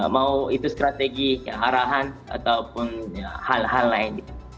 mau itu strategi ke arahan ataupun hal hal lain